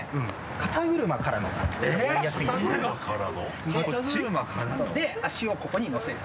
肩車からの？で脚をここに乗せる。